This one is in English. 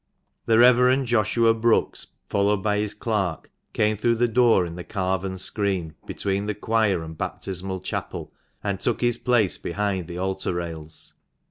The Rev. Joshua Brookes, followed by his clerk, came through the door in the carven screen, between the choir and baptismal chapel, and took his place behind the altar rails.